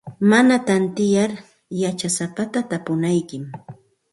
Mana tantiyar yachasapata tapunaykim.